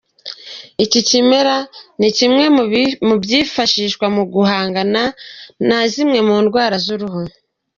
Iki kimera ni kimwe mu byifashishwa mu guhangana na zimwe mu ndwara z’uruhu.